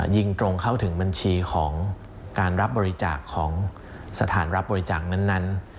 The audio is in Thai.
ยิงตรงเข้าถึงบัญชีของการรับบริจาคของสถานรับบริจาคนั้น